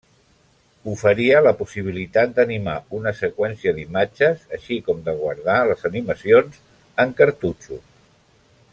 Oferia la possibilitat d'animar una seqüència d'imatges així com de guardar les animacions en cartutxos.